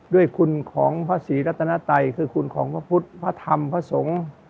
ด้วยคุณของพระศรีรัตนาไตคือคุณของพระพุทธพระธรรมพระสงฆ์